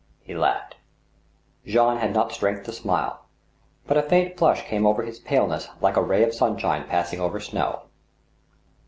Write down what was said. He laughed. Jean had not strength to smile. But a faint flush came over his paleness like a ray of sunshine passing over snow.